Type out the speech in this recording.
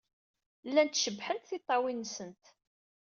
Llant cebḥent tiṭṭawin-nnem.